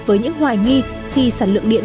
với những hoài nghi khi sản lượng điện